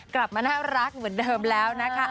กลับมาน่ารักเหมือนเดิมแล้วนะคะ